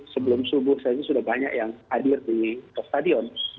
sebelum subuh saja sudah banyak yang hadir di stadion